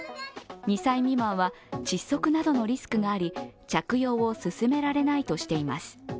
２歳未満は窒息などのリスクがあり着用を勧められないとしています。